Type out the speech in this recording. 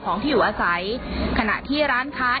ของที่อยู่อาศัยขณะที่ร้านค้า